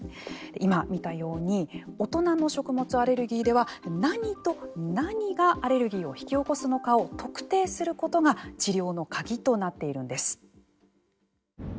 今、見たように大人の食物アレルギーでは何と何がアレルギーを引き起こすのかを特定することが治療の鍵となっているんです。